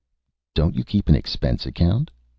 "Don't you keep an expense account?"